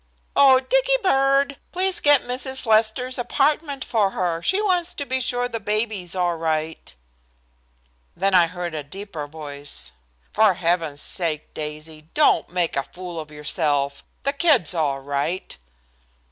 "Oh, Dicky bird, please get Mrs. Lester's apartment for her. She wants to be sure the baby's all right." Then I heard a deeper voice. "For heaven's sake, Daisy, don't make a fool of yourself. The kid's all right."